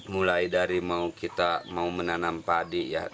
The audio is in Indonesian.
mulai dari mau kita menanam padi